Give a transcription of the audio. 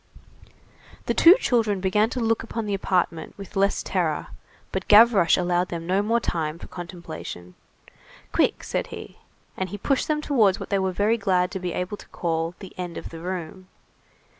The two children began to look upon the apartment with less terror; but Gavroche allowed them no more time for contemplation. "Quick," said he. And he pushed them towards what we are very glad to be able to call the end of the room.